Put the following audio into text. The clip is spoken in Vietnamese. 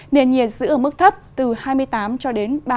nền nhiệt giữ ở mức thấp từ hai mươi tám ba mươi một độ